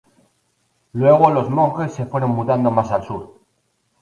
Luego los monjes se fueron mudando más al sur.